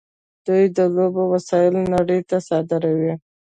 دوی د لوبو وسایل نړۍ ته صادروي.